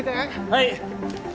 はい。